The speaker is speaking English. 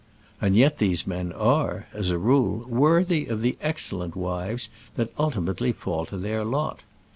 And yet these men are, as a rule, worthy of the excellent wives that ultimately fall to their lot.